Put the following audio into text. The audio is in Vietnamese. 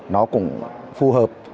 nó cũng phù hợp